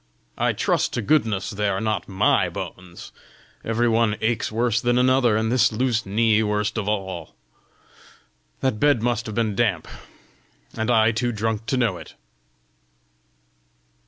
I trust to goodness they are not MY bones! every one aches worse than another, and this loose knee worst of all! The bed must have been damp and I too drunk to know it!"